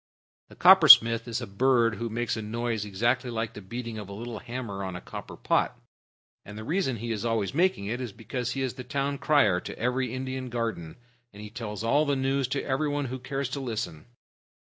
The Coppersmith is a bird who makes a noise exactly like the beating of a little hammer on a copper pot; and the reason he is always making it is because he is the town crier to every Indian garden, and tells all the news to everybody who cares to listen.